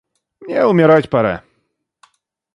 Мне умирать пора.